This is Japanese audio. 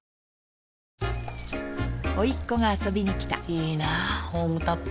いいなホームタップ。